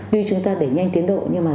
tuy chúng ta để nhanh tiến độ nhưng mà